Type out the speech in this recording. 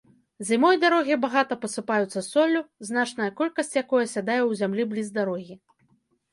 Зімой дарогі багата пасыпаюцца соллю, значная колькасць якой асядае ў зямлі бліз дарогі.